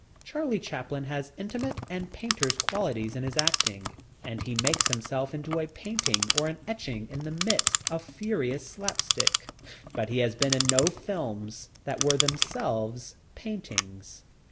Charlie Chaplin has intimate and painter's qualities in his acting, and he makes himself into a painting or an etching in the midst of furious slapstick. But he has been in no films that were themselves paintings.